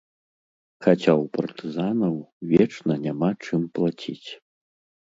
Хаця ў партызанаў вечна няма чым плаціць.